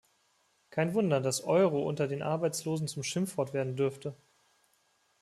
Kein Wunder, dass "Euro" unter den Arbeitslosen zum Schimpfwort werden dürfte.